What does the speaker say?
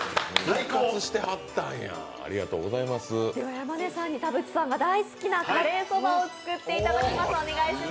山根さんに田渕さんが大好きなカレーそばを作っていただきます。